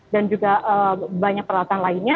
dan juga banyak peralatan lainnya